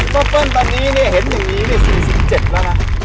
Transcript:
ป๊าเปิ้ลตอนนี้เจออย่างนี่นี่๔๗แล้วนะ